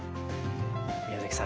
宮崎さん